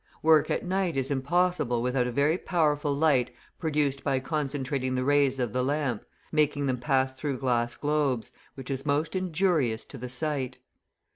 Work at night is impossible without a very powerful light produced by concentrating the rays of the lamp, making them pass through glass globes, which is most injurious to the sight.